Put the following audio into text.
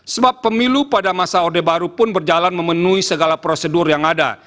sebab pemilu pada masa orde baru pun berjalan memenuhi segala prosedur yang ada